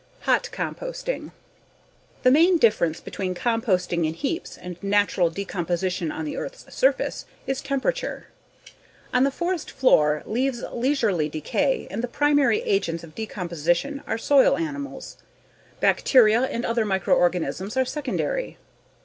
Hot Composting The main difference between composting in heaps and natural decomposition on the earth's surface is temperature. On the forest floor, leaves leisurely decay and the primary agents of decomposition are soil animals. Bacteria and other microorganisms are secondary.